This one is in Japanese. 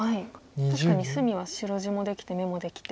確かに隅は白地もできて眼もできて。